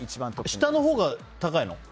下のほうが高いの？